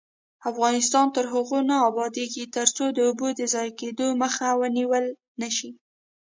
افغانستان تر هغو نه ابادیږي، ترڅو د اوبو د ضایع کیدو مخه ونیول نشي.